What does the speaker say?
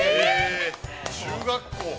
◆中学校？